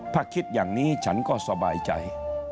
ถ้าคิดอย่างนี้ฉันก็สบายใจ